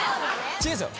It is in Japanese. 違うんすよ